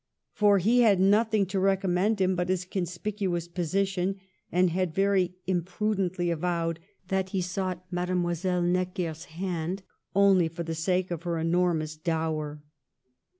For he had nothing to recommend him but his conspicuous position, and had very impudently avowed that he sought Mademoiselle Necker 's hand only for the sake of her enormous dower.